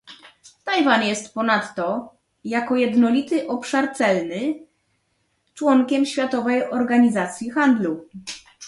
Tajwan jest ponadto - jako jednolity obszar celny - członkiem Światowej Organizacji Handlu